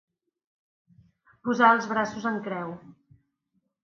Posar els braços en creu.